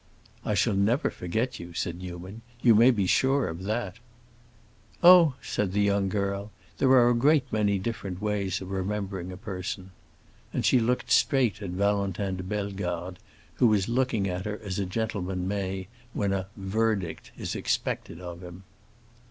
"I shall never forget you," said Newman. "You may be sure of that." "Oh," said the young girl, "there are a great many different ways of remembering a person." And she looked straight at Valentin de Bellegarde, who was looking at her as a gentleman may when a "verdict" is expected of him.